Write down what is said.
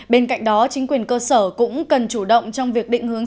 bên cạnh đó chính quyền cơ sở cũng cần chủ động trong việc định hướng